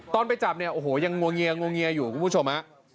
ตอนไปจับเนี่ยโอ้โหยังงวงเงียอยู่คุณผู้ชมฮะ